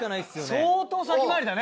相当先回りだね。